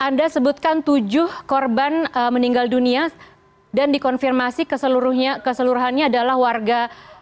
anda sebutkan tujuh korban meninggal dunia dan dikonfirmasi keseluruhannya adalah warga